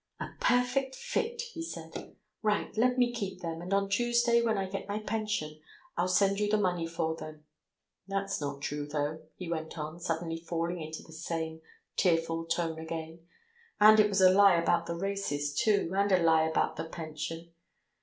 "A perfect fit," he said. "Right, let me keep them. And on Tuesday, when I get my pension, I'll send you the money for them. That's not true, though," he went on, suddenly falling into the same tearful tone again. "And it was a lie about the races, too, and a lie about the pension.